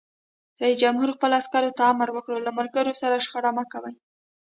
رئیس جمهور خپلو عسکرو ته امر وکړ؛ له ملګرو سره شخړه مه کوئ!